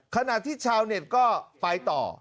ขณะที่ชาวเน็ตก็ไปต่อ